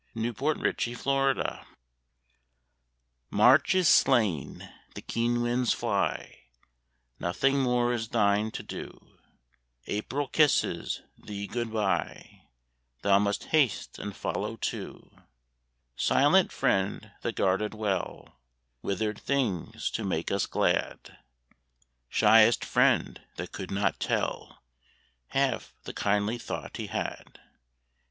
GOD SPEED TO THE SNOW March is slain; the keen winds fly; Nothing more is thine to do; April kisses thee good bye; Thou must haste and follow too; Silent friend that guarded well Withered things to make us glad, Shyest friend that could not tell Half the kindly thought he had.